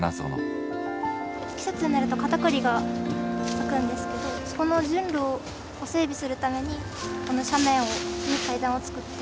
季節になるとカタクリが咲くんですけどそこの順路を整備するためにこの斜面に階段を作って。